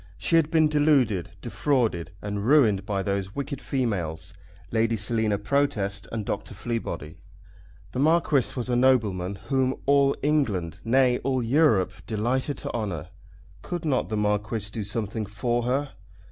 She had been deluded, defrauded, and ruined by those wicked females, Lady Selina Protest and Dr. Fleabody. The Marquis was a nobleman whom all England, nay, all Europe, delighted to honour. Could not the Marquis do something for her?